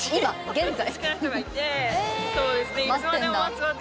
現在？